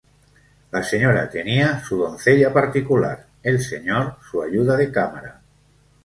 La señora tenía su doncella particular, el señor su ayuda de cámara.